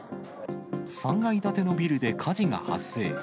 ３階建てのビルで火事が発生。